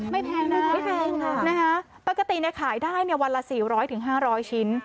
ไม่แพงค่ะนะคะปกติขายได้วันละ๔๐๐๕๐๐ชิ้น